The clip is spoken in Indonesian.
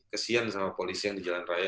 kesian sama polisi yang di jalan raya